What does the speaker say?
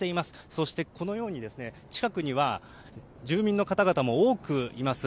そして、このように近くには住民の方々も多くいます。